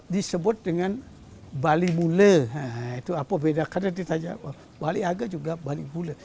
disebut dengan bali mule itu apa beda karena di tajam bali age juga bali mule